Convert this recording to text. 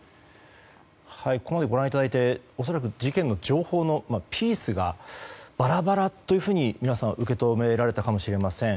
ここまでご覧いただいて事件の情報のピースがバラバラと、皆さん受け止められたかもしれません。